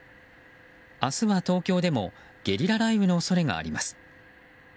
明日は東京でもゲリラ雷雨の恐れがあります。